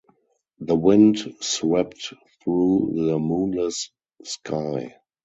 The wind swept through the moonless sky.